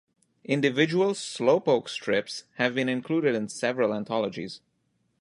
Individual "Slowpoke" strips have been included in several anthologies.